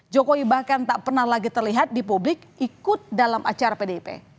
jokowi bahkan tak pernah lagi terlihat di publik ikut dalam acara pdip